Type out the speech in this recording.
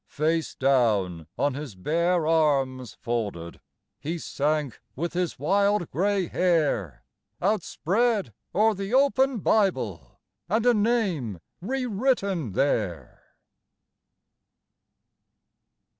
Face down on his bare arms folded he sank with his wild grey hair Outspread o'er the open Bible and a name re written there.